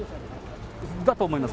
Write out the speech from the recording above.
だと思います。